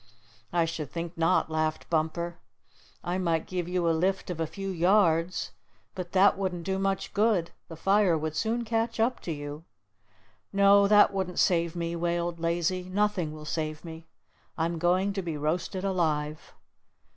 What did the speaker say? "I should think not," laughed Bumper. "I might give you a lift of a few yards, but that wouldn't do much good. The fire would soon catch up to you." "No, that wouldn't save me," wailed Lazy. "Nothing will save me. I'm going to be roasted alive."